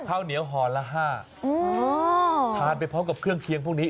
ข้าวเหนียวห่อละห้าทานไปพร้อมกับเครื่องเคียงพวกนี้